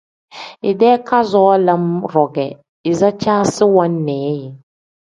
Idee kazoo lam-ro ge izicaasi wannii yi.